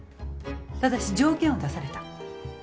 ただし条件を出された。